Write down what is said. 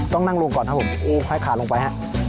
ต้องนั่งกดลงก่อนครับผมโอ้ให้ขาลงไป